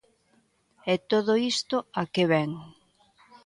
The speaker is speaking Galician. E todo isto ¿a que vén?